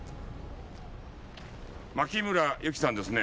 槙村有紀さんですね？